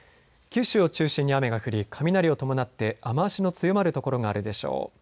九州を中心に雨が降り雷を伴って雨足の強まる所があるでしょう。